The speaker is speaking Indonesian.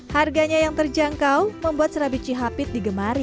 harganya yang terjangkau membuat serabici hapit digemari